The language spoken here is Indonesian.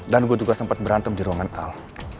dan gue juga sempat berantem di ruangan al